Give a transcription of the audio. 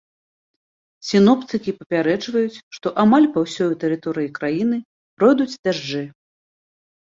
Сіноптыкі папярэджваюць, што амаль па ўсёй тэрыторыі краіны пройдуць дажджы.